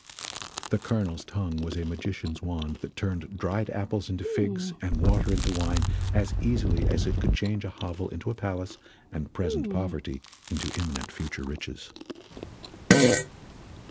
The Colonel's tongue was a magician's wand that turned dried apples into figs and water into wine as easily as it could change a hovel into a palace and present poverty into imminent future riches.